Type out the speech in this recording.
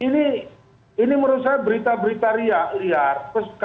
nah ini menurut saya berita berita liar